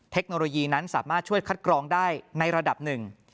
เทคโนโลยีนั้นสามารถช่วยคัดกรองได้ในระดับหนึ่ง